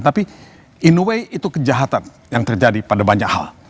tapi in away itu kejahatan yang terjadi pada banyak hal